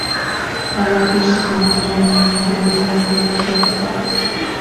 Daladier se convirtió en un miembro líder de los radicales.